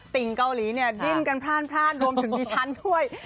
ติ่งเกาหลีเนี่ยดิ้นกันพลาดรวมถึงดิฉันด้วย